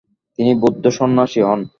তিনি বৌদ্ধ সন্ন্যাসী হন।